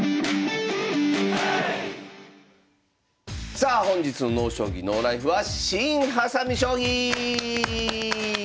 さあ本日の「ＮＯ将棋ＮＯＬＩＦＥ」は「新・はさみ将棋」！